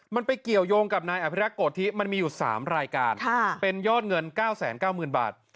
มันไปเกี่ยวยงกับนายอภิรักษ์โกธิมันมีอยู่๓รายการเป็นยอดเงิน๙๙๐๐๐บาท